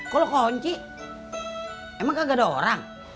kalau kunci emang kagak ada orang